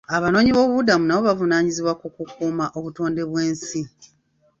Abanoonyiboobubudamu nabo bavunaanyizibwa ku kukuuma obutonde bw'ensi.